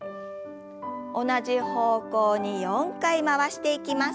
同じ方向に４回回していきます。